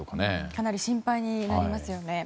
かなり心配になりますよね。